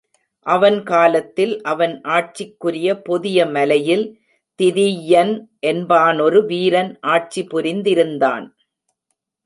அவன் காலத்தில் அவன் ஆட்சிக்குரிய பொதிய மலையில் திதிய்ன் என்பானொரு வீரன் ஆட்சி புரிந்திருந்தான்.